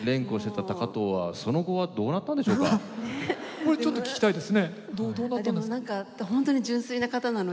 これちょっと聞きたいですね。